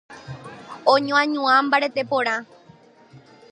oñoañuã mbarete porã